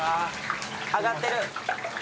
揚がってる。